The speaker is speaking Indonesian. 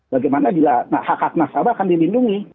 bagaimana hak hak nasabah akan dimindungi